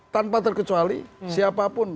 tanpa terkecuali siapapun